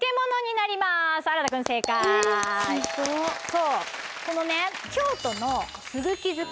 そうこのね。